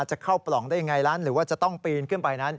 จะเข้าปล่องได้อย่างไรล่ะหรือว่าจะต้องปีนขึ้นไป